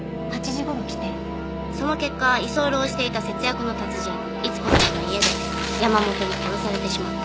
その結果居候していた節約の達人逸子さんの家で山元に殺されてしまった。